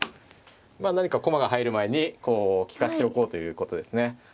何か駒が入る前に利かしておこうということですね。